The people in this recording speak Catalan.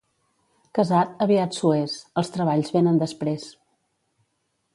Casat, aviat s'ho és; els treballs venen després.